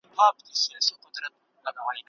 د ډبرو د ولاړو دیوالونو